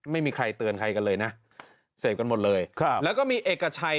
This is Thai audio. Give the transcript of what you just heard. ไม่มีใครเตือนใครกันเลยนะเสพกันหมดเลยครับแล้วก็มีเอกชัย